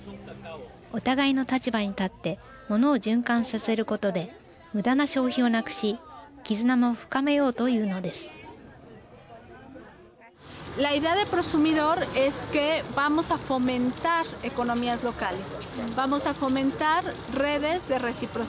お互いの立場に立ってものを循環させることでむだな消費をなくし絆も深めようというのです。